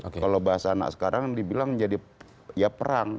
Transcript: kalau bahasa anak sekarang dibilang jadi ya perang